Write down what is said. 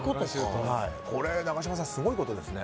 これは永島さんすごいことですね。